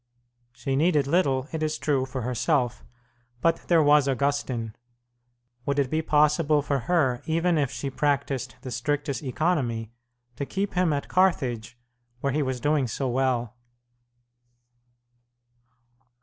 She needed little, it is true, for herself, but there was Augustine. Would it be possible for her, even if she practised the strictest economy, to keep him at Carthage, where he was doing so well?